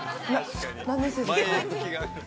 ◆何年生ですか？